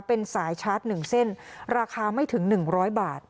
เป็นสายชาร์จ๑เส้นราคาไม่ถึง๑๐๐บาท